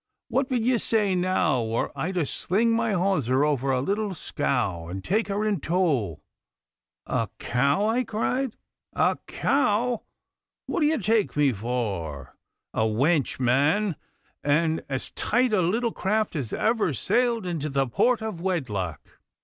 What would ye say, now, were I about to sling my hawser over a little scow, and take her in tow?' 'A cow!' I cried. 'A cow! what d'ye take me for? A wench, man, and as tight a little craft as ever sailed into the port of wedlock.